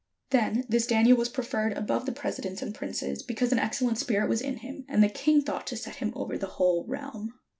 Then this Daniel was preferred above the presidents 505 MESOPOTAMIA and princes, because an excellent spirit was in him; and the king thought to set him over the whole realm.